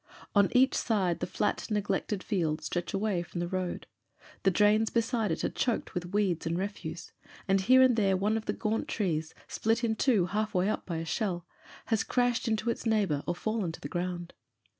On each side the flat, neglected fields stretch away from the road; the drains beside it are choked with weeds and refuse; and here and there one of the gaunt trees, split in two half way up by a shell, has crashed into its neighbour or fallen to the ground.